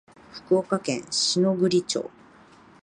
福岡県篠栗町